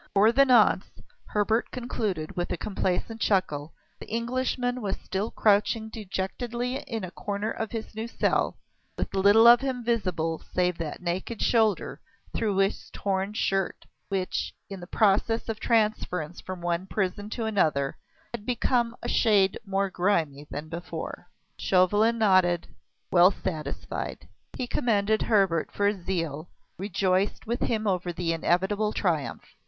For the nonce, Hebert concluded with a complacent chuckle, the Englishman was still crouching dejectedly in a corner of his new cell, with little of him visible save that naked shoulder through his torn shirt, which, in the process of transference from one prison to another, had become a shade more grimy than before. Chauvelin nodded, well satisfied. He commended Hebert for his zeal, rejoiced with him over the inevitable triumph.